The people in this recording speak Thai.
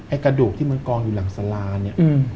ไอ้กระดูกที่มันกองอยู่หลังสลานี้